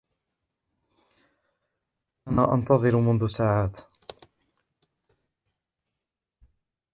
أنا أنتظر منذ ساعات.